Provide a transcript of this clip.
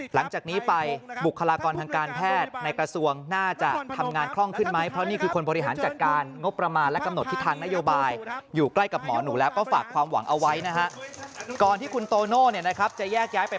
หลังจากนี้ไปบุคลากรทางการแพทย์